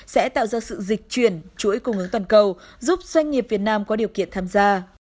sẽ tạo ra sự dịch chuyển chuỗi cung ứng toàn cầu giúp doanh nghiệp việt nam có điều kiện tham gia